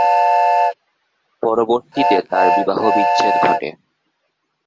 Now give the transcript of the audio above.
পরবর্তিতে তার বিবাহবিচ্ছেদ ঘটে।